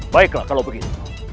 baiklah kalau begitu